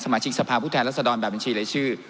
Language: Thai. สมาชิกสภาพพุทธแหละสะดอนแบบบัญชีหลายชื่อ